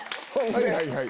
はいはいはい。